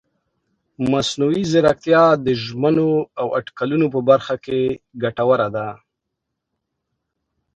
مصنوعي ځیرکتیا د ژمنو او اټکلونو په برخه کې ګټوره ده.